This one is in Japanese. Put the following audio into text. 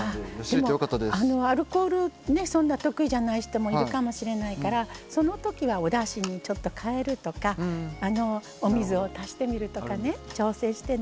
でもアルコールねそんな得意じゃない人もいるかもしれないからそのときはおだしにちょっと代えるとかお水を足してみるとかね調整してね。